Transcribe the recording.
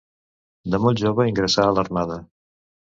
De molt jove ingressà a l'armada.